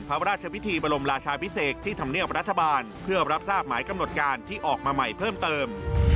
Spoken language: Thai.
พระราชพิธีบรมราชาพิเศษที่ธรรมเนียบรัฐบาลเพื่อรับทราบหมายกำหนดการที่ออกมาใหม่เพิ่มเติม